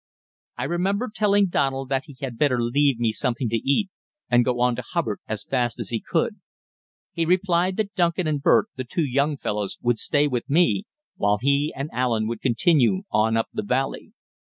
I remember telling Donald that he had better leave me something to eat, and go on to Hubbard as fast as he could. He replied that Duncan and Bert, the two young fellows, would stay with me, while he and Allen would continue on up the valley.